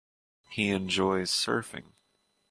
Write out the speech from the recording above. He enjoys surfing.